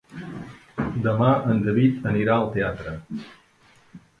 Demà en David anirà al teatre.